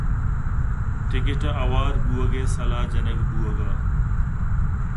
ٹکّ ءَ ہوار بُوئگے سَلاہ جنگ بُوئگءَ